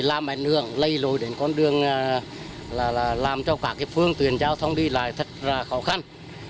làm ảnh hưởng lây lùi đến con đường làm cho các phương tiện giao thông đi lại thật khó khăn